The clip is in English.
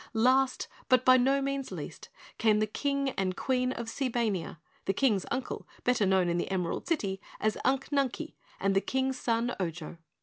Last, but by no means least, came the King and Queen of Seebania, the King's uncle, better known in the Emerald City as Unc Nunkie, and the King's son Ojo.